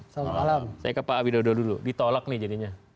saya ke pak widodo dulu ditolak nih jadinya